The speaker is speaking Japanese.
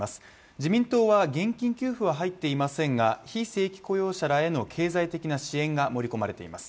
自民党は現金給付は入っていませんが、被雇用者ら経済的な支援が盛り込まれています。